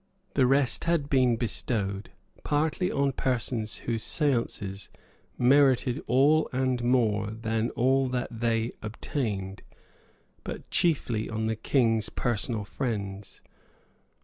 The rest had been bestowed, partly on persons whose seances merited all and more than all that they obtained, but chiefly on the King's personal friends.